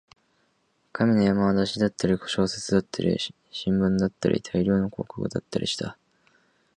紙の山は雑誌だったり、小説だったり、新聞だったり、大量の広告だったりした